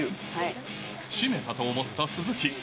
締めたと思った鈴木。